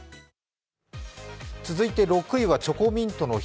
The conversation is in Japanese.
続いて６位はチョコミントの日。